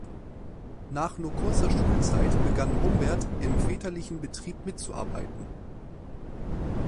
Nach nur kurzer Schulzeit begann Humbert im väterlichen Betrieb mitzuarbeiten.